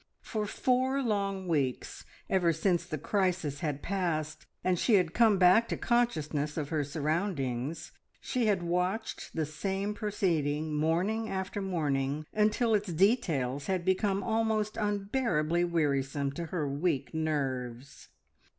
For four long weeks ever since the crisis had passed and she had come back to consciousness of her surroundings she had watched the same proceeding morning after morning, until its details had become almost unbearably wearisome to her weak nerves.